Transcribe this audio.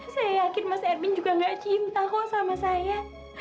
saya yakin mas erwin juga gak cinta kok sama saya